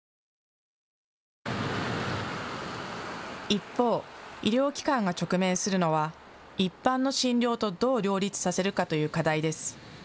一方、医療機関が直面するのは一般の診療とどう両立させるかという課題です。